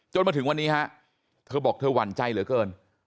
จนมาถึงวันนี้เธอบอกว่าเธอวันใจเหรอเกิน